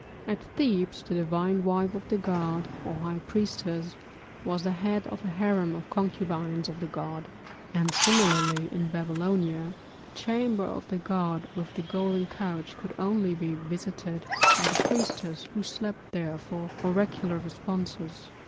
At Thebes the divine wife of the god, or high priestess, was the head of the harem of concubines of the god; and similarly in Babylonia the chamber of the god with the golden couch could only be visited by the priestess who slept there for oracular responses.